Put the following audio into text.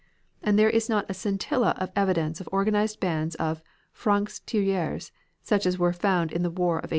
And there is not a scintilla of evidence of organized bands of francs tireurs, such as were found in the war of 1870."